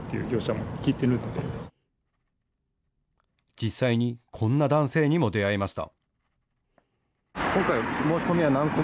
実際にこんな男性にも出会いました。